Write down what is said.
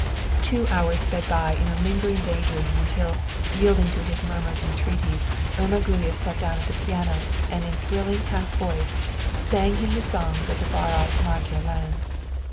Two hours sped by in a lingering day dream, until, yielding to his murmured entreaties, Irma Gluyas sat down at the piano, and in thrilling half voice, sang him the songs of the far off Magyar land.